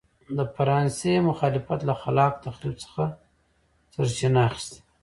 د فرانسیس مخالفت له خلاق تخریب څخه سرچینه اخیسته.